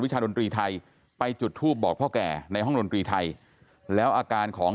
ชาดนตรีไทยไปจุดทูปบอกพ่อแก่ในห้องดนตรีไทยแล้วอาการของ